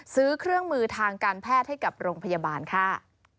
ซื้อเครื่องมือทางการแพทย์ให้กับโรงพยาบาลค่ะ